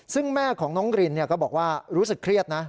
ซึ่งแม่ของน้องรินก็บอกว่ารู้สึกเครียดนะ